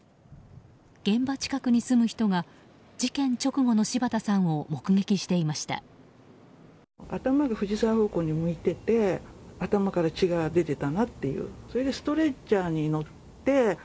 現場近くに住む人が、事件直後の柴田さんを目撃していました。